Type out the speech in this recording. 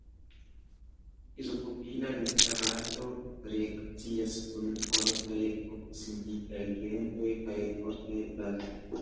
Izopropila nitrato reakcias kun fortaj oksidigagentoj kaj fortaj bazoj.